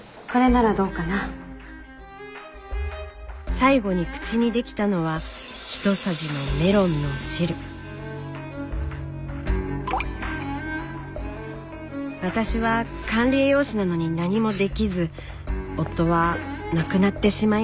最期に口にできたのは私は管理栄養士なのに何もできず夫は亡くなってしまいました。